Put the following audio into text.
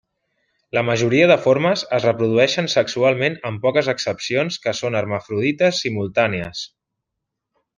La majoria de formes es reprodueixen sexualment amb poques excepcions que són hermafrodites simultànies.